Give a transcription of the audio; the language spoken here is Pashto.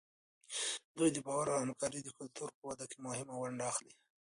دوی د باور او همکارۍ د کلتور په وده کې مهمه ونډه اخلي.